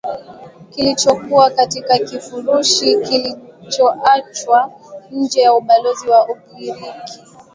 kilichokuwa katika kifurushi kilichoachwa nje ya ubalozi wa ugiriki